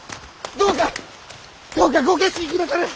どうかご決心くだされ！